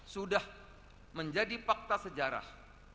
sudah menjadi fakta sejarah